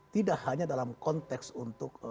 tidak hanya dalam konteks untuk